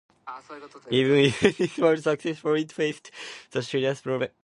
Even if this was successful it faced the serious problem of basing.